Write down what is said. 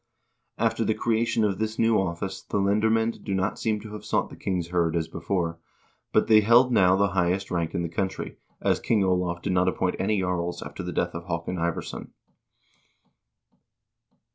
After the creation of this new office the lendermcend do not seem to have sought the king's kird as before, but they held now the highest rank in the country, as King Olav did not appoint any jarls after the death of Haakon Ivarsson.